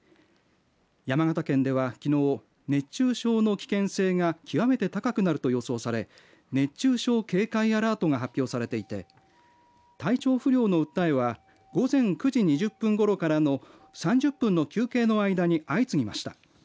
山形県ではきのう熱中症の危険性が極めて高くなると予想され熱中症警戒アラートが発表されていて体調不良の訴えは午前９時２０分ごろからの３０分の休憩の間に相次ぎました。